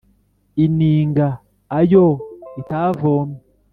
ininga ayo itavomye